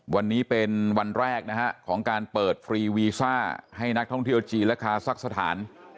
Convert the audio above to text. วันนี้เป็นวันแรกนะฮะของการเปิดฟรีวีซ่าให้นักท่องเที่ยวจีนและคาซักสถาน